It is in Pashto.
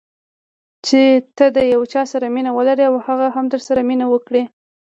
چې ته د یو چا سره مینه ولرې او هغه هم درسره مینه وکړي.